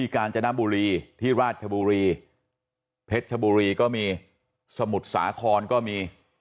กาญจนบุรีที่ราชบุรีเพชรชบุรีก็มีสมุทรสาครก็มี